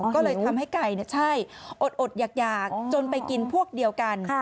ก็เลยทำให้ไก่ใช่อดอยากจนไปกินพวกเดียวกัน